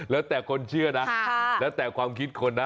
แล้วแต่คนเชื่อนะแล้วแต่ความคิดคนนะ